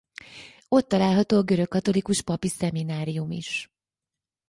Ott található a görögkatolikus papi szeminárium is.